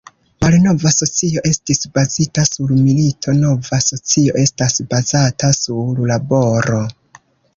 Malnova socio estis bazita sur milito, nova socio estas bazata sur laboro.